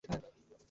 হে ভগবান, খুব গরম।